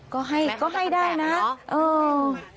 ก็ให้ได้นะเออ